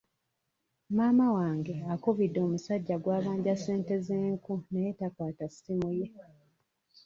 Maama wange akubidde omusajja gw'abanja ssente z'enku naye takwata ssimu ye.